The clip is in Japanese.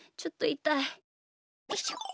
よいしょ。